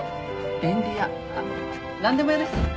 便利屋なんでも屋です。